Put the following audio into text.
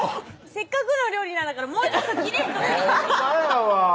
せっかくの料理なんだからもうちょっときれいに撮ってほんまやわ